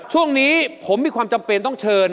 ช่วงนี้ผมมีความจำเป็นต้องเชิญ